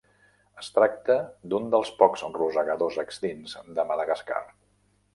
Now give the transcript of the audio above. Es tracta d'un dels pocs rosegadors extints de Madagascar.